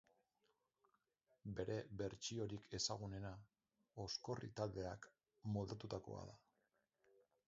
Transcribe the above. Bere bertsiorik ezagunena Oskorri taldeak moldatutakoa da.